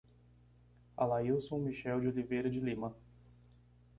Alailson Michel de Oliveira de Lima